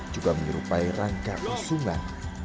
juga menyerupai rangka usungan